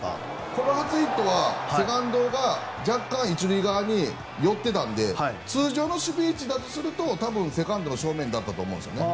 この初ヒットはセカンドが若干１塁側に寄っていたので通常の守備位置だとセカンドの正面だったと思うんです。